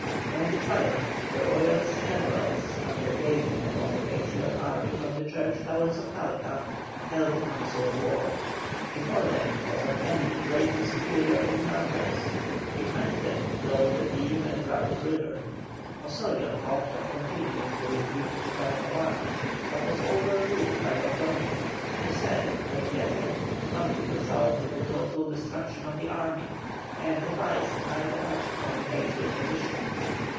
In the twilight the Royalist generals, after gazing upon the Patriot army from the church towers of Talca, held a council of war. Before them was an enemy greatly superior in numbers, behind them flowed a deep and rapid river. Osorio talked of continuing the retreat to Talcahuano, but was overruled by Ordoñez, who said that the attempt could only result in the total destruction of the army, and advised a night attack upon the Patriot position.